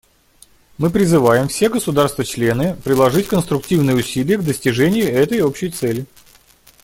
Мы призываем все государства-члены приложить конструктивные усилия к достижению этой общей цели.